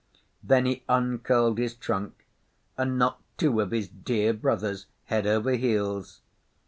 Then he uncurled his trunk and knocked two of his dear brothers head over heels.